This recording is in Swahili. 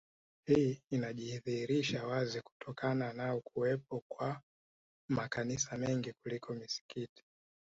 Hii inajidhihirisha wazi kutokana na kuwepo kwa makanisa mengi kuliko misikiti